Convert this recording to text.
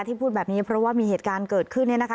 ที่พูดแบบนี้เพราะว่ามีเหตุการณ์เกิดขึ้นเนี่ยนะคะ